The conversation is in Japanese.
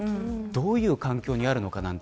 どういう環境にあるかなんて